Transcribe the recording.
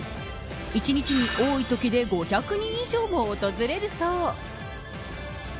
１日に、多いときで５００人以上も訪れるそう。